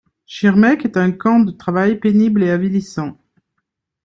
Schirmeck est un camp de travail pénible et avilissant.